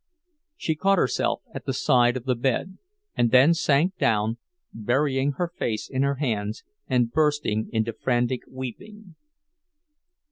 She caught herself at the side of the bed, and then sank down, burying her face in her hands and bursting into frantic weeping.